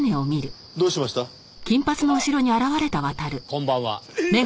こんばんは。